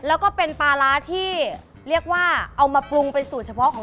แล้วก็เป็นปลาร้าที่เรียกว่าเอามาปรุง